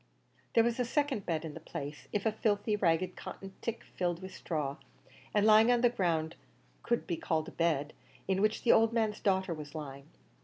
There was a second bed in the place if a filthy, ragged cotton tick filled with straw, and lying on the ground, could be called a bed in which the old man's daughter was lying.